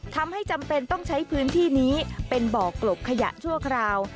จำเป็นต้องใช้พื้นที่นี้เป็นบ่อกลบขยะชั่วคราว